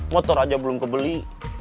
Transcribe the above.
motor aja belum ke bali